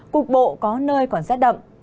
cục bộ có nơi còn rất đậm